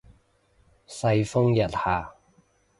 世風日下